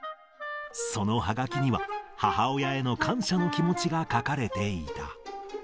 そのはがきには、母親への感謝の気持ちが書かれていた。